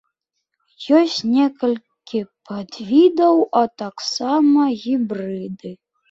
Ёсць некалькі падвідаў, а таксама гібрыды.